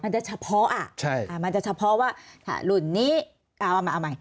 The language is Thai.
มันจะเฉพาะมันจะเฉพาะว่าถ้ารุ่นนี้เอาใหม่